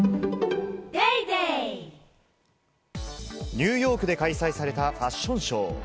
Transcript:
ニューヨークで開催されたファッションショー。